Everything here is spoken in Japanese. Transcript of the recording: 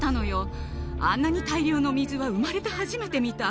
あんなに大量の水は生まれて初めて見た。